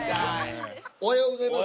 おはようございます。